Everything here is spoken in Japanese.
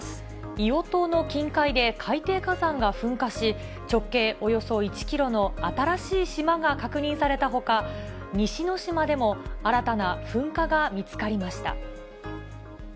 硫黄島の近海で海底火山が噴火し、直径およそ１キロの新しい島が確認されたほか、西之島でも新たな噴火が見つかりました。